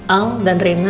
al dan rena